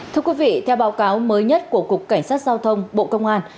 thưa quý vị theo báo cáo mới nhất của cục cảnh sát giao thông bộ công an